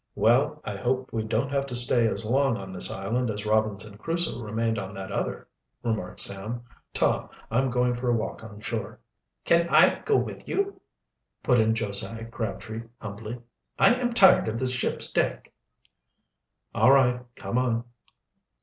"Well, I hope we don't have to stay as long on this island as Robinson Crusoe remained on that other," remarked Sam. "Tom, I'm going for a walk on shore." "Can I go with you?" put in Josiah Crabtree humbly. "I am tired of this ship's deck." "All right, come on."